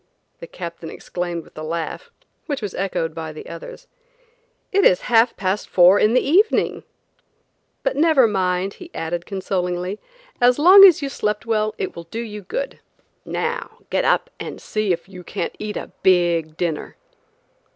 the Captain exclaimed, with a laugh, which was echoed by the others, "It is half past four in the evening!" "But never mind," he added consolingly, "as long as you slept well it will do you good. Now get up and see if you can't eat a big dinner."